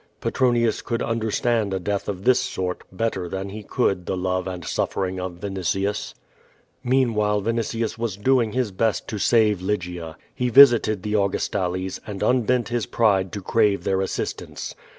'' Petronius could un ^N derstand a death of this sort better than he could the love | and suffering of Vrnitius. Meanwhile Vinitius was doing his best to save Lygia. lie visited the Augustales, and unbent his pride to crave their assistance.